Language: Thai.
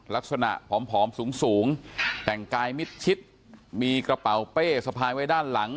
ลักษณะผอมผอมสูงสูงแต่งกายมิดชิดมีกระเป๋าเป้สภายไว้ด้านหลัง